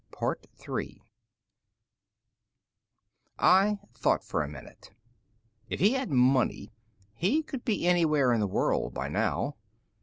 I thought for a minute. If he had money, he could be anywhere in the world by now.